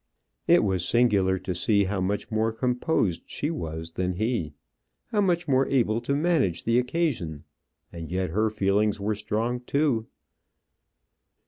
It was singular to see how much more composed she was than he; how much more able to manage the occasion and yet her feelings were strong too.